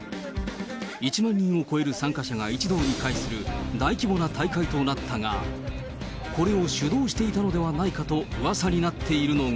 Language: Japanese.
１万人を超える参加者が一堂に会する大規模な大会となったが、これを主導していたのではないかとうわさになっているのが。